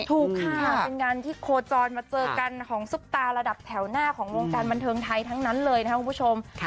ถูกค่ะเป็นงานที่โคจรมาเจอกันของซุปตาระดับแถวหน้าของวงการบันเทิงไทยทั้งนั้นเลยนะครับคุณผู้ชม